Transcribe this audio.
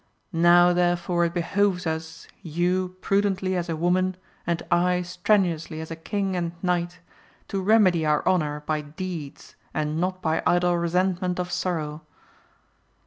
Now there fore it behoves us, you prudently as a woman, and I strenuously as a king and knight, to remedy our honour by deeds and not by idle resentment of sorrow.